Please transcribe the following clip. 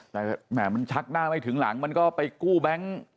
แต่แหม่มันชักหน้าไม่ถึงหลังมันก็ไปกู้แบงค์